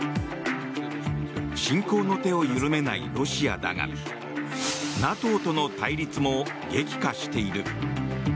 侵攻の手を緩めないロシアだがＮＡＴＯとの対立も激化している。